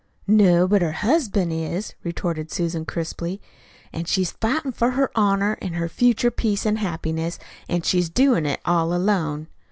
"No, but her husband is," retorted Susan crisply. "An' she's fightin' for her honor an' her future peace an' happiness, an' she's doin' it all alone.